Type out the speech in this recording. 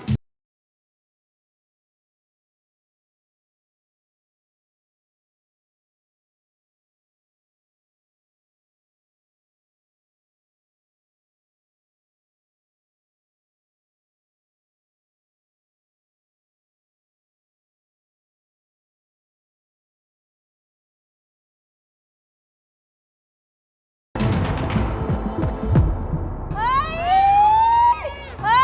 ตัดกันด้วย